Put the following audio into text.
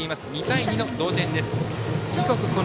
２対２の同点です。